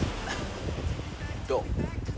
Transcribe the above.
どう？